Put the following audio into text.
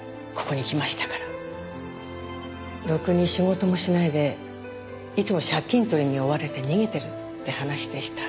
ろくに仕事もしないでいつも借金取りに追われて逃げてるって話でした。